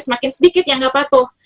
semakin sedikit yang nggak patuh